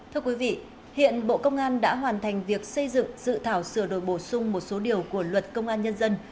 thưa quý vị hiện bộ công an đã hoàn thành việc xây dựng dự thảo sửa đổi bổ sung một số điều của luật công an nhân dân